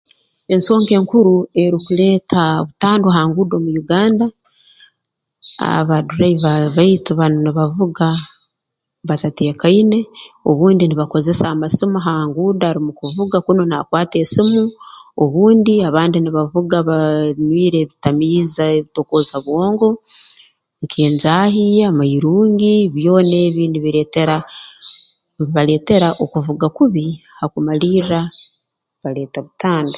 Ensonga enkuru erukuleeta butandwa ha nguudo mu Uganda abaadriver baitu banu nibavuga batateekaine obundi nibakozesa amasimu ha nguudo arumu kuvuga kunu naakwata esimu obundi abandi nibavuga baa nywire ebitamiiza ebitokooza-bwongo nk'enjaahi amairungi byona ebi nibireetera nibibaleetera okuvuga kubi hakumalirra baleeta butandwa